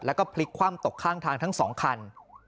แล้วก็พลิกคว่ำตกข้างทางทั้งสองคัน